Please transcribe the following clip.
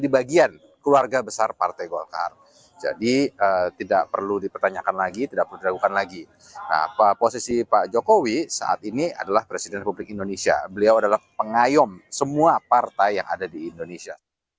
beliau adalah presiden republik indonesia beliau adalah pengayom semua partai yang ada di indonesia